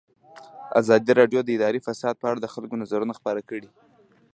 ازادي راډیو د اداري فساد په اړه د خلکو نظرونه خپاره کړي.